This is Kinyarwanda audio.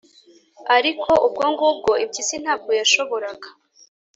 ariko ubwo ngubwo impyisi ntabwo yashoboraga